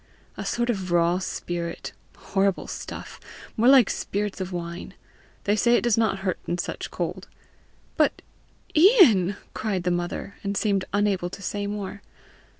"A sort of raw spirit horrible stuff more like spirits of wine. They say it does not hurt in such cold." "But, Ian!" cried the mother, and seemed unable to say more.